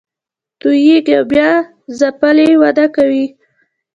توییږي او بیا ځپلې وده کوي